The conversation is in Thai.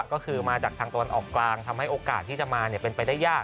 ก็คือมาจากทางตะวันออกกลางทำให้โอกาสที่จะมาเป็นไปได้ยาก